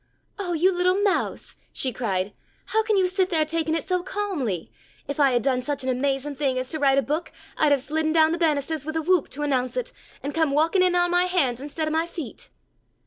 "Oh you little mouse!" she cried. "How can you sit there taking it so calmly? If I had done such an amazing thing as to write a book, I'd have slidden down the ban'istahs with a whoop, to announce it, and come walking in on my hands instead of my feet.